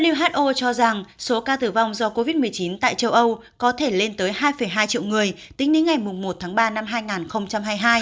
who cho rằng số ca tử vong do covid một mươi chín tại châu âu có thể lên tới hai hai triệu người tính đến ngày một tháng ba năm hai nghìn hai mươi hai